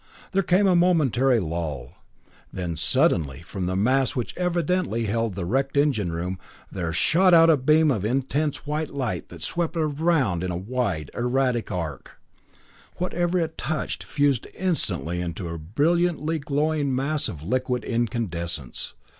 There came a momentary lull. Then suddenly, from the mass which evidently held the wrecked engine room, there shot out a beam of intense white light that swept around in a wide, erratic arc. Whatever it touched fused instantly into a brilliantly glowing mass of liquid incandescence.